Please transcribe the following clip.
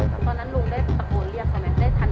ตอนนั้นลุงได้ทันเรียกเขาไหม